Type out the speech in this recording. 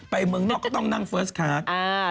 เมืองนอกก็ต้องนั่งเฟิร์สคาร์ด